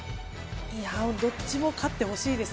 どっちも勝ってほしいですね。